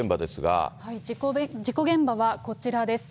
事故現場は、こちらです。